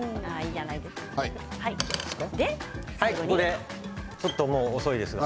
ここでちょっと遅いですが。